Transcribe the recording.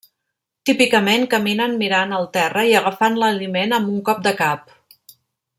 Típicament caminen mirant el terra i agafant l'aliment amb un cop de cap.